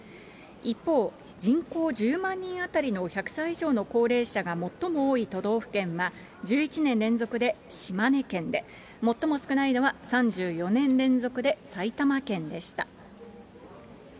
一方、人口１０万人当たりの１００歳以上の高齢者が最も多い都道府県は１１年連続で島根県で、最も少ないのは３４年連続で埼玉県でした。